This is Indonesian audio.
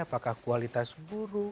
apakah kualitas buru